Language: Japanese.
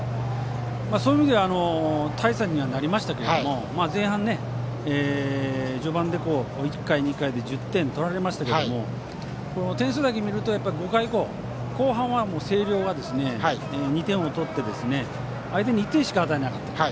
そういう意味では大差にはなりましたけども前半、序盤で１回２回で１０点取られましたが点数だけ見ると５回以降後半は星稜は２点を取って相手に１点しか与えなかった。